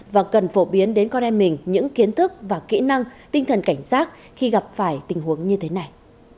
và cần phổ biến đến con em mình những kiến thức và kỹ năng tinh thần cảnh giác khi gặp phải tình huống như thế này